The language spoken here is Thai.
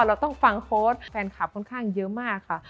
เราต้องฟังโค้ดแฟนคลับค่อนข้างเยอะมากค่ะ